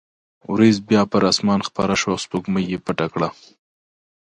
وریځ بیا پر اسمان خپره شوه او سپوږمۍ یې پټه کړه.